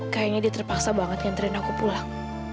kayaknya dia terpaksa banget nyanterin aku pulang